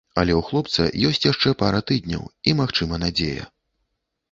Але ў хлопца ёсць яшчэ пара тыдняў і, магчыма, надзея.